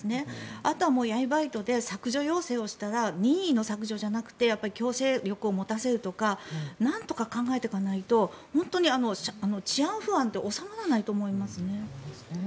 あとは闇バイトで削除要請をしたら任意の削除じゃなくて強制力を持たせるとかなんとか考えていかないと本当に治安不安って収まらないと思いますね。